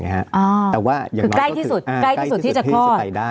อ้าวคือใกล้ที่สุดที่จะคลอดแต่ว่ายังน้อยก็คือใกล้ที่สุดที่จะคลอด